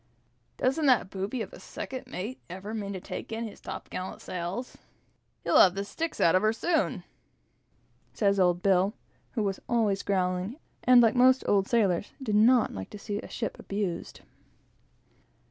"Doesn't that booby of a second mate ever mean to take in his top gallant sails? He'll have the sticks out of her soon," says old Bill, who was always growling, and, like most old sailors, did not like to see a ship abused.